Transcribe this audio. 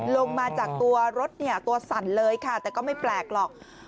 ลงมาจากตัวรถเนี่ยตัวสั่นเลยค่ะแต่ก็ไม่แปลกหรอก